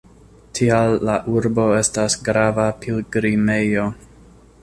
Tial la urbo estas grava pilgrimejo.